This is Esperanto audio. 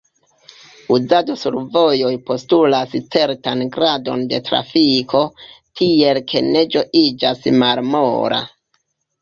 Uzado sur vojoj postulas certan gradon da trafiko, tiel ke neĝo iĝas malmola.